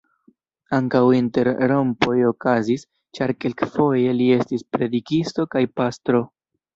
Ankaŭ interrompoj okazis, ĉar kelkfoje li estis predikisto kaj pastro.